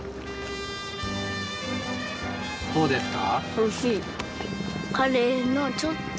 どうですか？